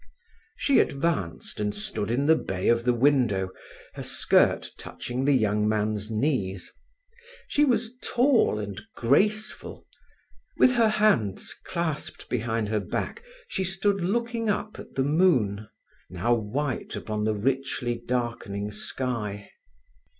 She advanced and stood in the bay of the window, her skirt touching the young man's knees. She was tall and graceful. With her hands clasped behind her back she stood looking up at the moon, now white upon the richly darkening sky.